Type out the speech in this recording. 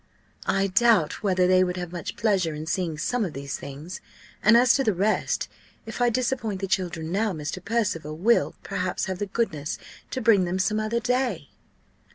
"I doubt whether they would have much pleasure in seeing some of these things! and as to the rest, if I disappoint the children now, Mr. Percival will, perhaps, have the goodness to bring them some other day."